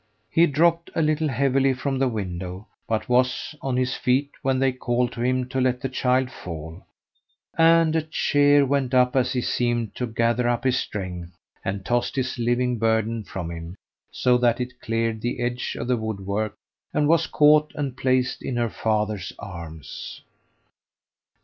He dropped a little heavily from the window, but was on his feet when they called to him to let the child fall, and a cheer went up as he seemed to gather up his strength, and tossed his living burden from him, so that it cleared the edge of the wood work, and was caught and placed in her father's arms.